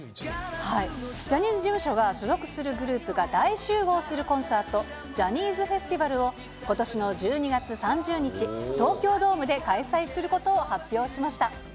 ジャニーズ事務所は、所属するグループが大集合するコンサート、ジャニーズフェスティバルをことしの１２月３０日、東京ドームで開催することを発表しました。